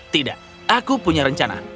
tidak aku punya rencana